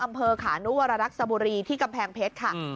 อำเภอขานุวรรณรักษบุรีที่กำแพงเพชรค่ะ